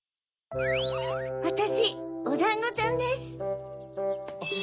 わたしおだんごちゃんです。